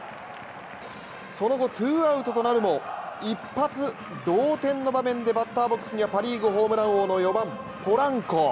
その後、ツーアウトとなるも一発同点の場面でバッターボックスにはパ・リーグホームラン王の４番・ポランコ。